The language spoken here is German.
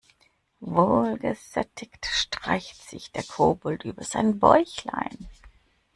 Wohl gesättigt streicht sich der Kobold über sein Bäuchlein.